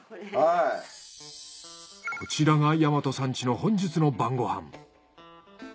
こちらが大和さん家の本日の晩ご飯。